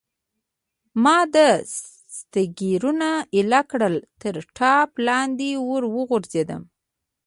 ما دستګیرونه ایله کړل، تر ټاټ لاندې ور وغورځېدم.